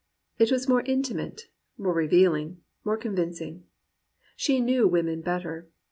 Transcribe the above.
It was more intimate, more revealing, more convincing. She knew women better.